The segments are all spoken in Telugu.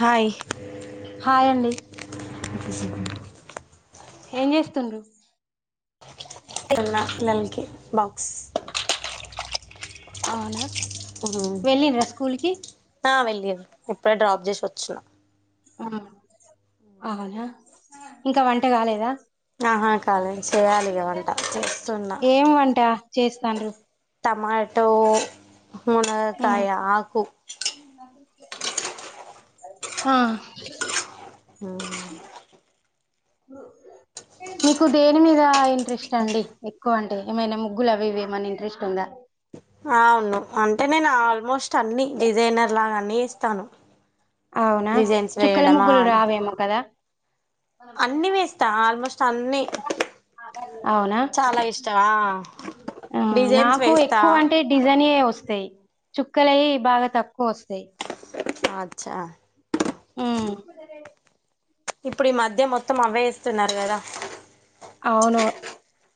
హాయ్ హాయ్ అండి ఇ చెకు ఏం చేస్తుండ్రు చిన్న పిల్లలకి బాక్స్ అవునా వెళ్ళండ్ర స్కూల్కి ఆ ఇప్పుడే డ్రాప్ చేసిచిన ఊ అవునా ఇంకా వంట కాలేదా ఆహా కాలేదు చేయాలి ఇగ వంట చేస్తున్నా ఏం వంట చేస్తండ్రు టమాటో ఉమ్. మునగకాయ ఆకు ఆ ఊ మీకు దేని మీద ఇంట్రెస్ట్ అండి ఎక్కువ అంటే ఏమైనా ముగ్గులు అవి ఇవి ఏమన్నా ఇంట్రెస్ట్ ఉందా అవును అంటే నేను ఆల్మోస్ట్ అన్ని డిజైనర్ లాగా అన్ని ఇస్తాను అవునా చుక్కల ముగ్గులు రావేమో కదా అన్ని వేస్తా ఆల్మోస్ట్ అన్ని అవునా చాలా ఇష్టమా డిజైన్స్ నాకు వేస్తా ఎక్కువ అంటే డిజైన్ ఏ వస్ వస్తాయి చుక్కలయి బాగా తక్కువ వస్తాయి అచ్చా ఊ ఇప్పుడు ఈ మధ్య మొత్తం అవ్వే ఏస్తున్నారు కదా అవును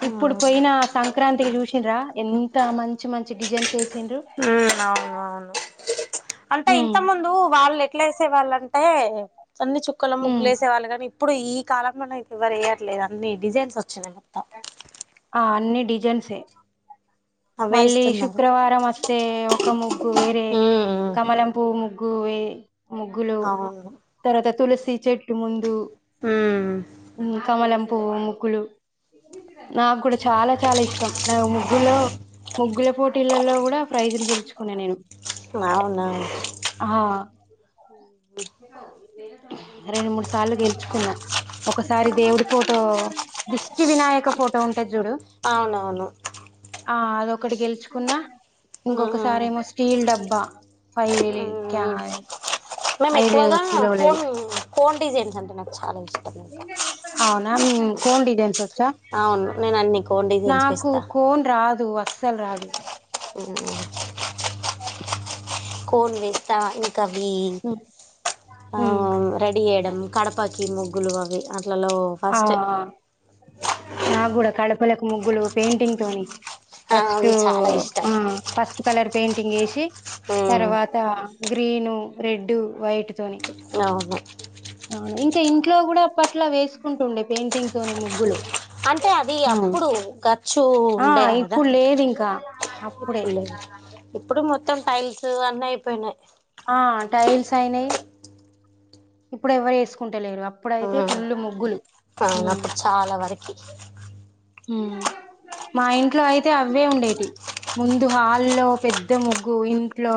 ఇప్పుడు మ్మ్ పోయిన సంక క్రాంతికి చూసిండ్రా ఎంత మంచి మంచి డిజైన్స్ వేసిండ్రు అవును అవును అంటే ఉమ్ ఇంత ముందు వాళ్ళు ఏట్ ఎట్లా వేసేవాళ్ళంటే అన్ని చుక్కల ఉమ్ ముగ్గులు ఏసే వాళ్ళు కాని ఇప్పుడు ఈ కాలంల నైతే ఎవరు వేయట్లేదు అన్ని డిజైన్స్ వచ్చినయి మొత్తం ఆ అన్ని డిజైన్సే అవే మళ్ళీ వేస్తున్నారు శుక్రవారం వస్తే ఒక ముగ్గు వేరే ఉమ్ కమలం పూ ముగ్గు గు వే ముగ్గులు అవును తర్వాత తులసి చెట్టు ముందు ఉమ్ ఊ కమలం పూవు ముగ్గులు నాకు కూడా చాలా చాలా ఇష్టం నాకు ముగ్గుల్లో ముగ్గుల పోటీలల కూడా ప్రైజులు గెలుచు కున్న నేను అవునా అహ రెండు మూడు సార్లు గెలుచుకున్న ఒకసారి దేవుడి ఫోటో దిష్టి వినాయక ఫోటో ఉం అవునవును ఆ అదొకటి గెలుచుకున్నా ఉమ్ ఇంకొకసారి ఏమో స్టీల్ డబ్బా ఫైలీ క్యా మేమ్ ఐదు ఎక్కువగా కిలోలది కోన్ కోన్ డిజైన్స్ అంటే నాకు చాలా ఇష్టం ఇంకా అవునా కోన్ డిజైన్స్ వచ్చా అవును నేను అన్ని కోన్ డిజైన్స్ నాకు వేస్తా కోన్ రా రాదు అస్సలు రాదు ఊ కోన్ వేస్తావ ఇంకావి ఉమ్ అవి రెడి చేయడం కడప కి ఈ ముగ్గులు అవి అ ఆ ఆ నా కూడా కడపలకు ముగ్గులు పెయింటింగ్ తోని ఫస్ట్ అవును చాలా ఇష్టం ఆ పసుపు కలర్ పెయింటింగ్ వేసి ఉమ్ తర్వాత గ్రీను రెడ్డు వైట్ తోని అవును ఇంకా ఇంట్లో కూడా అప్పట్లో వేసుకుంటుండే పెయింటింగ్ తోనే ముగ్గులు అంటే అది అప్పుడు ఖర్చు ఆ ఉండే కదా ఇప్పుడు లేదు ఇంకా అప్పుడే ఇప్పుడు మొత్తం టైల్స్ అన్నయిపోయినాయ్ ఆ టైల్స్ అయినాయి ఇప్పుడు ఎవరు వేసుకుంటు టలేరు అప్పుడయితే ఉమ్ ఫుల్లు ముగ్గులు అవును అప్పుడు చాలా వరకి మ్మ్ మా ఇంట్లో అయితే అవ్వే ఉండేటివి ముందు హాల్లో పెద్ద ముగ్గు ఇంట్లో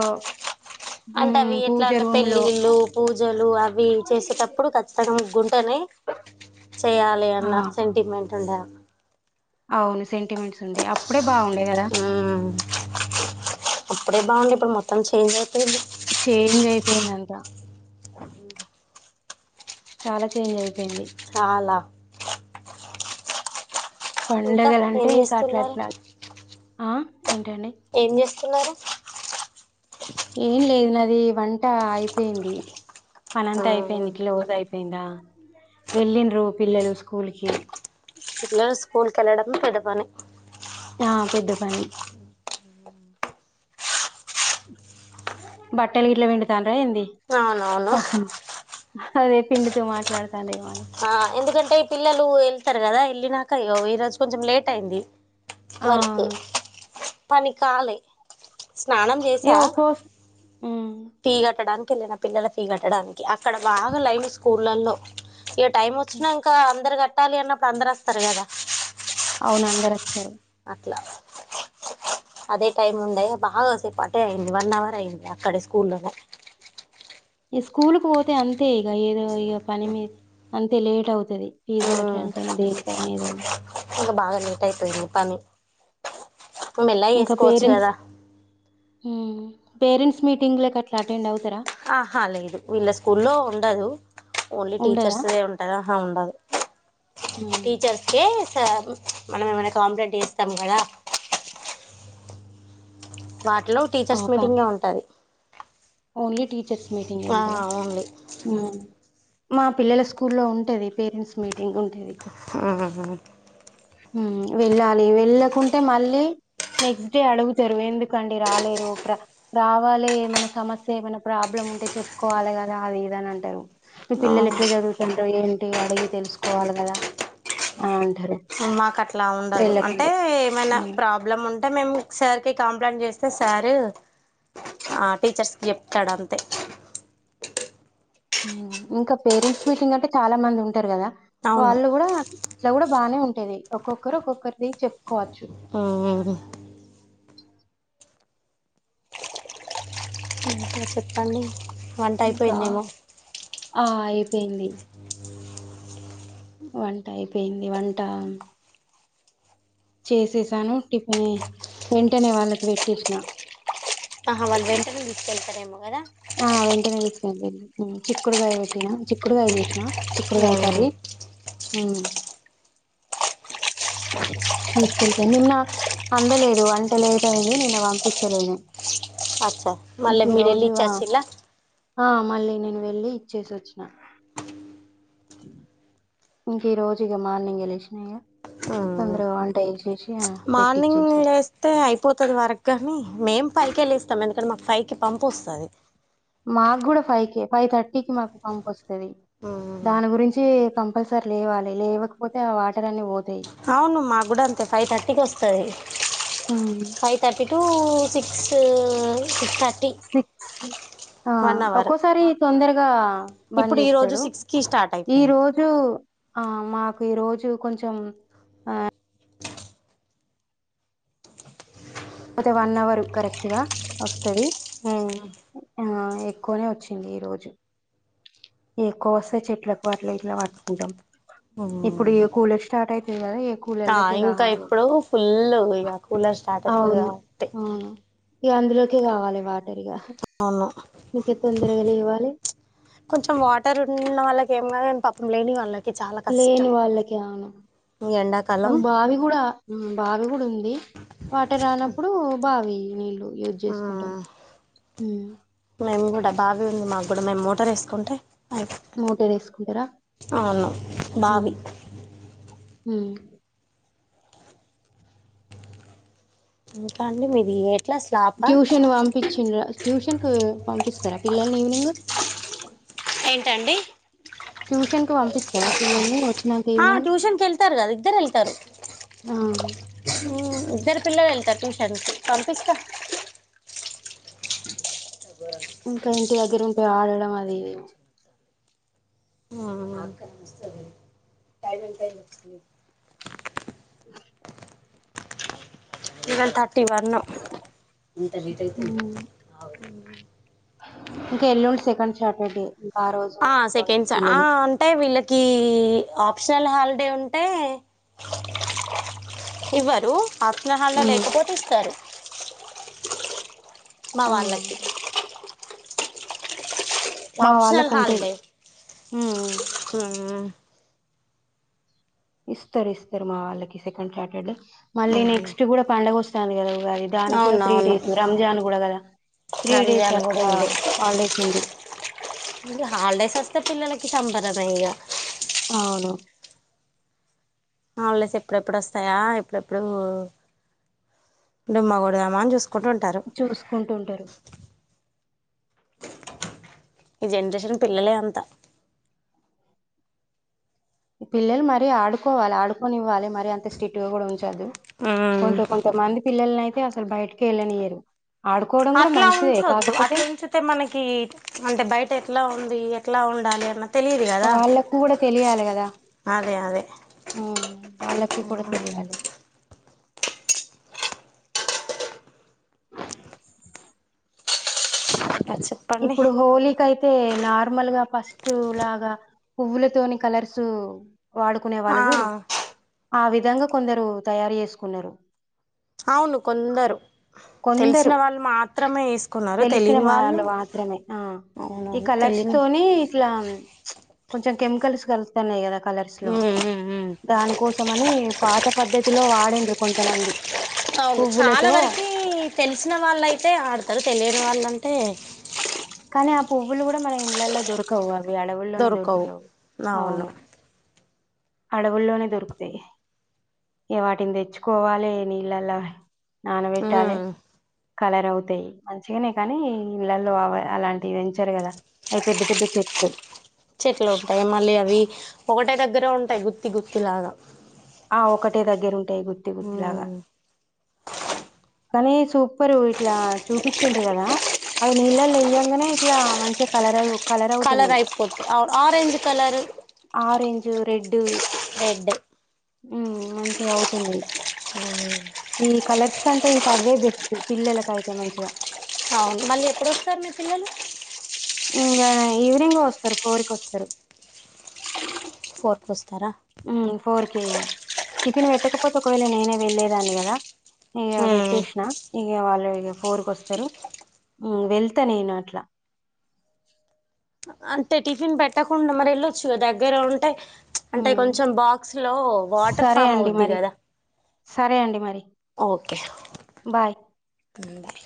అంటే ఉమ్ అవి ఎట్లా పూజ అంటే రూమ్ లో పెళ్ళిళ్ళు పూజలు అవి చేసేటప్పుడు ఖచ్చి తను గుంటనే చేయాలి ఆ అన్న సెంటిమెంట్ ఉండా అవును సెంటిమెంట్స్ ఉండే అప్ మ్మ్ అప్పుడే బాగుంది ఇప్పుడు మొత్తం చేంజ్ అయిపోయింది చేంజ్ అయిపోయిందంత చాలా చేంజ్ అయి చాలా ఇంకా పండగల ఏం అంటే ఇంక చేస్తున్నారు అట్లట్ల ఏం చేస్తున్నారు ఏం లేదు నాది వంట అయిపోయింది పనంతా ఉమ్ అయిపోయింది క్లోజ్ అయిపోయిందా వెళ్ళండ్రు పిల్లలు స్కూల్ కి పిల్లలు స్కూల్కి వెళ్ళడం పెద్ద పని ఆ పెద్ద పని బట్టలు గిట్ల పిండితండ్ర ఏంది సో అవునవును అదే పిండుతూ మాట్లాడుతాండేమ ఆ ఎందుకంటే పిల్లలు ఎళ్తారు కదా వెళ్ళినాక ఇగో ఈరోజు కొంచెం లేట్ అయింది ఆ వర్కు అవును పని కాలే స్నానం ఏ చేసా ఒకోస్ మ్మ్ ఫీ కట్టడానికి తున్న మా పిల్లల ఫీ కట్టడానికి అక్కడ బాగా లైను స్కూళ్లల్లో టైం వచ్చినంక అందరు కట్టాలి అన్నప్పుడు అందరు వస్తారు కదా అవును అందరొస్తారు ట్ల అదే టైం ఉండే బాగాసేపటే అయింది వన్ అవర్ అయింది అక్కడ స్కూల్లో ఈ స్కూల్ కు పోతే అంతే ఇగ ఏదో ఇగ పని మీ అంతే లేట్ అవుతది ఫీజు కట్టడానికి అయిన దేనికైనా ఏదైన ఇంకా బాగా లేట్ అయితది పని మెల్లగా ఇంకా చేసుకోవచ్చు పేరెంట్స్ కదా మ్మ్ పేరెంట్స్ మీటింగ్లకీ అట్ల అటెండ్ అవు ఆహా లేదు వీళ్ళ స్కూల్లో ఉండదు ఓన్లీ ఉండదా టీచర్స్దే ఉంటదా మ్మ్ టీచర్స్ కే మనం ఏమైనా కాంప్లైంట్ చేస్తాము కదా వాటిలో టీచర్స్ ఓకా మీటింగే ఉంటది ఓన్లీ టీచర్స్ మీటింగే ఆ ఉంటదా ఓన్లీ మా పిల్లల స్కూల్లో ఉంటది పేరెంట్స్ మీటింగ్ ఉంటుంది ఆ ఆ మ్మ్ వెళ్ళాలి వెళ్ళకుంటే మళ్ళీ నెక్స్ట్ డే అడుగుతరు ఎందుకండి రాలేరు రావాలే ఏమనా సమస్య ఏమనా ప్రాబ్లమ్ ఉంటే చెప్పుకోవాలె కదా అది ఇదని అంటరు మీ పిల్లలు ఎట్ల చదువుతండ్రో ఏంటి అడిగి తెలుసుకోవాలి కదా అని అంటారు మాకు అట్లా ఉండదు అంటే వెళ్ళకుంటే ఏమైనా మ్ ప్రాబ్లమ్ ఉన్ అంటే మేము సారికి కంప్లైంట్ చేస్తే సారు ఆ టీచర్స్ కి చెప్తాడు అంతే ఇంకా పేరెంట్స్ మీటింగ్ అంటే చాలా మంది ఉంటారు కదా అవును వాళ్ళు కూడా ఇట్లా కూడా బాగానే ఉంటేది ఒక్కొక్కరు ఒక్కొక్కరిది చెప్ ఉమ్ అ చెప్పండి వంట ఇంకా అయిపోయిందేమో ఆ అయిపోయింది వంట అయిపోయింది వంట చేసేసాను టిఫిన్ వెంటనే వాళ్ళకి పెట్టేసినా ఆహా వాళ్లు వెంటనే తీసుకెళ్తారేమోగదా ఆ వెంటనే తీసుకెళ్ండి చిక్కుడుకాయ పెట్టినా చిక్కుడుకాయ చేసినా చిక్కుడుకాయ కదా కర్రీ తీసుకెళ్ళిపో నిన్న అందలేదు వంట లేట్ అయింది నిన్న పంపించలేదు అచ్చ మళ్ళ ఇంక ఈ మీరలి రోజు ఆ చచ్చ ఆ మళ్ళీ నేను వెళ్లి ఇచ్చేసి వచ్చినా ఇంక ఈ రోజుక మార్నింగ్ గలిసినా ఉమ్ తొందరగా వంటి ఇచ్చేసిన మార్నింగ్ వేస్తే అయిపోతుది వరకుగాని మేము పైకి వెళ్ళి ఇస్తాం ఎందుకంటే మాకు ఫైవ్ కి పంపి వస్తుంది మాకు కూడా ఫైవ్ క ఫైవ్ థర్టీకి మాకు పంప వస్తుది ఉమ్ దాని గురించి కం ల్సరి లేవాలి లేకపోతే అవును మా గుడ అంతే ఫైవ్ థర్టీకి వ స్తది five thirty two six six thirty six ఆ అవర్ ఒక్కోసారి తొందరగా బంద్ ఇప్పుడు ఈ రోజు చేస్తాడు సిక్స్ కి స్టార్ట్ ఈ అయిపోయింది రోజు ఆ మాకు ఈ రోజు కొంచం ఆ అతే వన్ అవర్ కరెక్ట్గా వస్తుది ఉమ్ ఆ ఎక్కువనే వచ్చింది ఈ రోజు ఎక్కువ వస్తే చెట్లకు అట్లా ఇట్లా పట్టుకుంటాం ఉమ్ ఇప్పుడు ఈ కూలీ స్టార్ట్ అయితుంది కదా ఆ కూలల కా ఇంకా ఇప్పుడు ఫుల్ ఇగ కూలర్ స్టార్ట్ అయితది అవును కాబట్టి అవును ఇక అందులోకి కావాలి వాటరిగా అవును మీకే తొందరగాలి ఇవ్వాలి కొంచెం వాటర్ ఉన్న వాళ్ళకి ఏమని పపం లేని వాళ్ళకి చాలా లేను కష్టం వాళ్ళకి అవును ఈ ఎండాకాలం మాకు బావి కూడా బావి కూడా ఉంది వాట రానప్పుడు బావి నీళ్ళు యూజ్ చేసుకుంటాం ఉమ్ మేము కూడా బావి ఉంది మాకు ఇప్పుడు మేము మోటర్ వేసుకుంటే అయిపో మోటార్ వేసుకుంటారా అవును బావి హ కండన్లు మీది ఎట్లా స్లాపా ట్యూషన్ పంపించిండరా ట్యూషన్ కు పంపిస్తారా పిల్లల్ని ఈవినింగ్ ఏంటండి ట్యూషన్ కుి పంపిస్తారా పిల్లల్ని వచ్చినాక ఆ ఈవినింగ్ ట్యూషన్కి వెళ్తారు కదా ఇద్దరు వెళ్తారు ఆ ఇద్దరు పిల్లలు వెళ్తారు ట్యూషన్కి పంపిస్తా ఇంకా ఇంటి దగ్గర ఉంటే ఆడడం అది [unintelligible] ఇవాళ్ళ [inaudible] ఉమ్ ఇంకా ఎల్లుండి సెకండ్ సాటర్డే ఇంకా రోజు ఆ ఇంట్లోనే సెకండ్స్ స ఆ పిల్లలకి అంటే వీళ్ళకి ఈ ఆప్షనల్ హాలిడే ఉంటే ఇవ్వరు ఆప్షనల్ హాలిడే ఉమ్ లేకపోతే ఇస్తారు మా ఆ వాళ్ళకి మా ఆప్షనల్ వాళ్ళకు ఉంటేది హాలిడే హ ఇస్తారు ఇస్తారు మా వాళ్ళకి సెకండ్ సాటర్డే మళ్ళీ నెక్స్ట్ అవునా కూడా పండగ వస్తాంది కదా దానికి కూడా త్రీ అవునవును డేస్ రంజాన్ కూడా కదా త్రీ డేస్ రంజాన్ కూడా అట్లా ఉంది హాలిడేస్ ఉంది హాలిడేస్ వస్తే పిల్లలకి సంబరమే ఇగ అవును హాలీడేస్ ఎప్పుడెప్పుడు వస్తాయా ఏప్పుడెప్పుడు డుమ్మా కొడదామని చూసు చూసుకుంటుంటారు ఈ జనరేషన్ పిల్లలే అంత పిల్లలు మరీ ఆడుకోవాలి ఆడుకొనివ్వాలి మరీ అంత స్ట్రిక్ట్ కూడా ఉంచద్దు కొంత కొంతమంది పిల్లలని అయితే అసలు బయటకె వెళ్ళనియరు ఆడుకోవడం కూడా అట్లా మంచిదే ఉంచొద్దు కాకపోతే అట్లా ఉంచితే మనకి అంటే బయ ఎట్లా ఉంది ఎట్లా ఉండాలి అన్న తెలియదు కదా వాళ్ళకు కూడా తెలియాలి కదా అదే అదే ఉ వాళ్ళకి కూడా తెలియాలి ఇంకా చెప్పండి ఇప్పుడు హోళికైతే నార్మల్ గా ఫస్ట్ లాగా పువ్వులతోని కలర్స్ వాడుకునే ఆ వాళ్ళు చూడు ఆ విధంగా కొందరు తయారు చేసుకున్నారు అవును కొందరు కొందరు తెలిసిన వాళ్ళు మాత్రమే వేసుకున్నారు తెలి వాళ్లు మాత్రమే ఆ ఈ కలర్స్ తెలియని తోని ఇట్లా కొంచెం కెమి కెమికల్స్ కలుస్తానే కద కలర్స్లో ఉమ్ ఉమ్ ఉమ్ దాని కోసమని పాత పద్ధతిలో వాడిన్రు కొంతమంది అవును చాలా పువ్వులతో వరకి తెలిసిన వాళ్ళుయితే ఆడతారు తెలియని వాళ్ళ తే కానీ ఆ పువ్వులు కూడా మన ఇండ్లలో దొరకవు అవి అడవుల్లోనే దొరకవు దొరుకుతావు అవును అడవుల్లోనే దొరుకుతాయి ఇగ వాటిని తెచ్చుకోవాలి నీళ్ళలా నానబెట్టాలే ఉమ్ కలర్ అవుతాయి మంచిగానే కానీ ఇండ్లలో అలాంటివి పెంచారు కదా అవి పెద్ద పెద్ద చెప్పు చెట్లు ఉంటాయి మళ్ళీ అవి ఒకటే దగ్గర ఉంటాయి గుత్తి గుత్తి లాగా ఆ ఒక్కటే దగ్గర ఉంటాయి గుత్తి గుత్తి లాగా ఉమ్ కానీ సూపరు ఇట్లా చూపిచ్చురు కదా అవి నీళ్ళలు వెయ్యంగనే ఇట్లా మంచిగా కలరావ్ కలర్ అయిపోద్ది how orange colour orange red red మంచిగా అవుతుంది ఈ కలర్స్ కంటే ఇంకా అవే బెస్ట్ పిల్లలకైతే మంచిగా అవును మళ్ళీ ఎప్పుడొస్తారు మీ పిల్లలు ఇంకా ఈవినింగ్ వస్తారు ఫోర్ కొస్తారు ఫోర్ కొస్తారా ఫోర్ కె ఇగ టిఫిన్ పెట్టకపోతే ఒకవేళ నేనే వెళ్లేదాన్ని కదా ఇగ ఉమ్ పెట్టేసిన ఇక వాళ్ళు ఇక ఫోర్ కొస్తారు వెళ్తా నేను అట్లా అంటే టిఫిన్ పెట్టకుండా మరి వెళ్ళొచ్చు గా దగ్గర ఉంటే అంటే ఉమ్, కొంచెం బాక్స్ లో వాటర్ సరే ఫామ్ అండి అవుద్ది మరి కదా సరే అండి మరి ఓకే బాయ్ బా